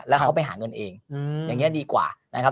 แล้วเขาไปหาเงินเองอย่างนี้ดีกว่านะครับ